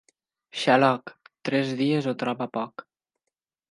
Xaloc, tres dies ho troba poc.